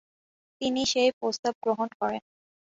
তিনি সেই প্রস্তাব গ্রহণ করেন।